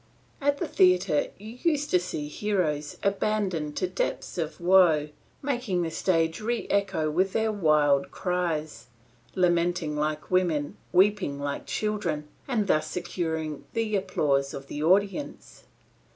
"At the theatre you used to see heroes, abandoned to depths of woe, making the stage re echo with their wild cries, lamenting like women, weeping like children, and thus securing the applause of the audience.